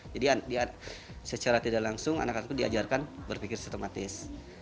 jadi secara tidak langsung anak anakku diajarkan berpikir sistematis